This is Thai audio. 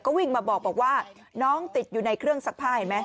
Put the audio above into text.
ก็วิ่งมาบอกว่าน้องติดอยู่ในเครื่องซักผ้าเห็นไหม